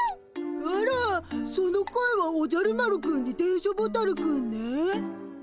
あらその声はおじゃる丸くんに電書ボタルくんね？